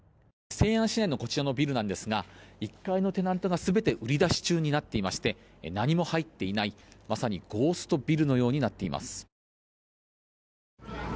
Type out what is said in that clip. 西安市内のこちらのビルですが１階のテナントが全て売り出し中になっていまして何も入っていないまさにゴーストビルのようになっています。